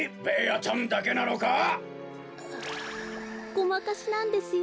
「ごまかし」なんですよ。